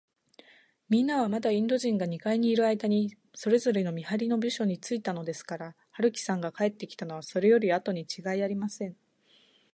みんなは、まだインド人が二階にいるあいだに、それぞれ見はりの部署についたのですから、春木さんが帰ってきたのは、それよりあとにちがいありません。